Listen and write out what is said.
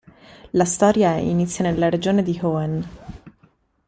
La storia inizia nella regione di Hoenn.